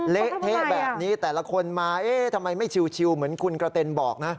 เละเทะแบบนี้แต่ละคนมาเอ๊ะทำไมไม่ชิวเหมือนคุณกระเต็นบอกนะ